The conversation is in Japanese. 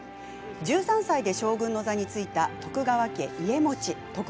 １３歳で将軍の座についた徳川家茂。